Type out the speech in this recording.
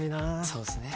そうっすね。